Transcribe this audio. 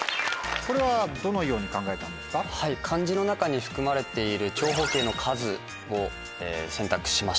漢字の中に含まれている長方形の数を選択しました。